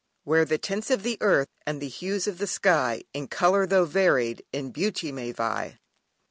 "Where the tints of the earth, and the hues of the sky, In colour tho' varied, in beauty may vie."